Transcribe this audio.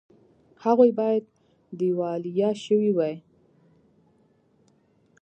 هغوی باید دیوالیه شوي وي